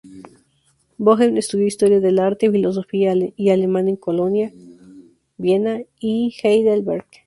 Boehm estudió Historia del Arte, Filosofía y Alemán en Colonia, Viena y Heidelberg.